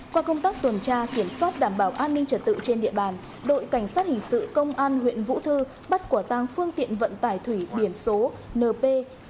qua công tác tuần tra kiểm soát đảm bảo an ninh trật tự trên địa bàn đội cảnh sát hình sự công an huyện vũ thư bắt quả tăng phương tiện vận tải thủy biển số np sáu nghìn ba trăm linh chín